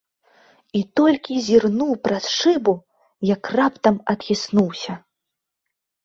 І толькі зірнуў праз шыбу, як раптам адхіснуўся.